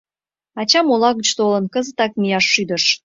Ачам ола гыч толын, кызытак мияш шӱдыш.